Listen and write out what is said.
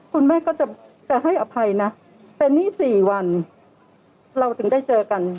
คุณแม่ก็จะให้อภัยนะแต่นี่๔วันเราถึงได้เจอกัน